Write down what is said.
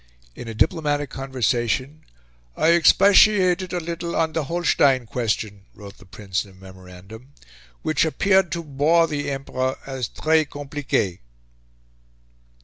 In a diplomatic conversation, "I expatiated a little on the Holstein question," wrote the Prince in a memorandum, "which appeared to bore the Emperor as 'tres compliquee.'"